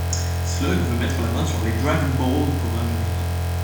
Slug veut mettre la main sur les Dragon Balls pour rajeunir.